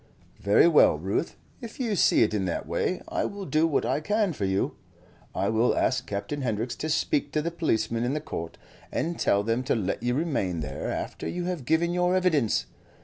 "Very well, Ruth, if you see it in that way, I will do what I can for you. I will ask Captain Hendricks to speak to the policemen in the court, and tell them to let you remain there after you have given your evidence.